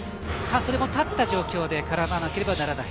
それも立った状況で絡まなければならない。